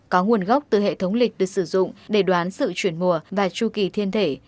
có nguồn gốc từ hệ thống lịch được sử dụng để đoán sự chuyển mùa và chu kỳ thiên thể